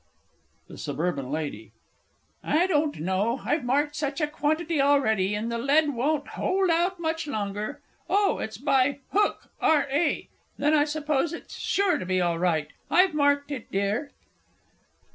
THE S. L. I don't know. I've marked such a quantity already and the lead won't hold out much longer. Oh, it's by Hook, R.A. Then I suppose it's sure to be all right. I've marked it, dear.